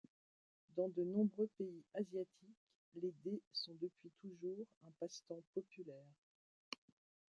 Dans de nombreux pays asiatiques, les dés sont depuis toujours un passe-temps populaire.